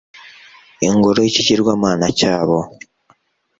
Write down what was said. ingoro y'ikigirwamana cyabo